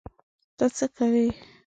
ته څه کوې؟